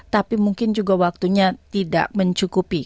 tapi mungkin juga waktunya tidak mencukupi